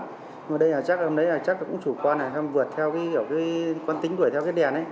nhưng mà đây là chắc hôm đấy là chắc cũng chủ quan là vượt theo cái kiểu cái quan tính gửi theo cái đèn ấy